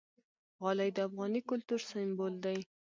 غالۍ د افغاني کور سِمبول ده.